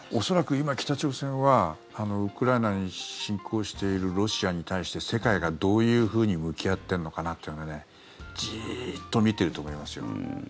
恐らく今、北朝鮮はウクライナに侵攻しているロシアに対して世界がどういうふうに向き合っているのかなというのはじっと見ていると思いますよ。